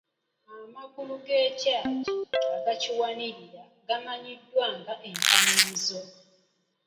Amagulu g’ekyagi agakiwanirira gamanyiddwa nga empanirizo.